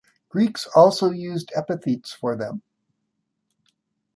Greeks also used epithets for them.